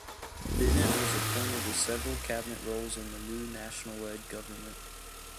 Bennett was appointed to several cabinet roles in the new National-led government.